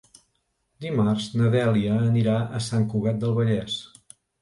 Dimarts na Dèlia anirà a Sant Cugat del Vallès.